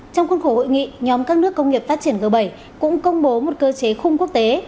trong khuôn khổ hội nghị nhóm các nước công nghiệp phát triển g bảy cũng công bố một cơ chế khung quốc tế